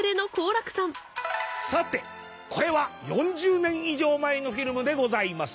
さてこれは４０年以上前のフィルムでございます。